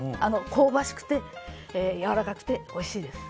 香ばしくてやわらかくておいしいです。